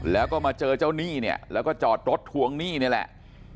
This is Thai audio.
แล้วก็มาเจอเจ้าหนี้เนี่ยแล้วก็จอดรถทวงหนี้นี่แหละ